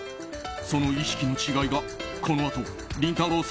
その意識の違いが、このあとりんたろー。